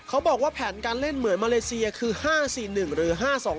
เขาบอกว่าแผนการเล่นเหมือนมาเลเซียคือ๕๔๑หรือ๕๒